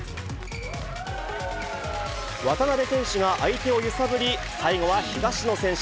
渡辺選手が相手を揺さぶり、最後は東野選手。